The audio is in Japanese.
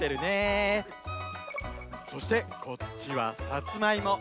そしてこっちはさつまいも。